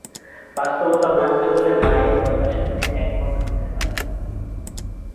বাস্তবতা মানতে হলে মায়ের কথার সাথে একমত হতে হয়।